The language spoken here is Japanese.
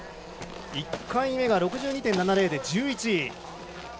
１回目６２．７０で１１位。